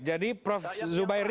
jadi prof zubairi